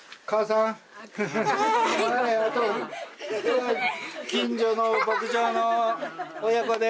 あと近所の牧場の親子です！